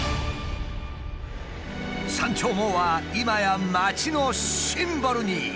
「山鳥毛」は今や街のシンボルに。